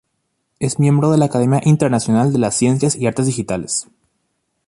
Es miembro de la Academia Internacional de las Ciencias y Artes Digitales.